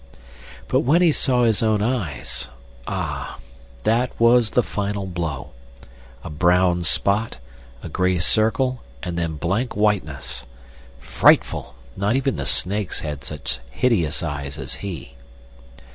But when he saw his own eyes; ah, that was the final blow—a brown spot, a gray circle and then blank whiteness! Frightful! not even the snakes had such hideous eyes as he.